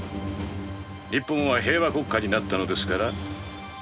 日本は平和国家になったのですから。